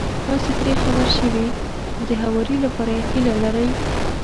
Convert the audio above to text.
تاسې ترې خبر شوي او د هواري لپاره يې هيله لرئ.